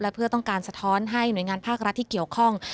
เพื่อต้องการสะท้อนให้หน่วยงานภาครัฐที่เกี่ยวข้อง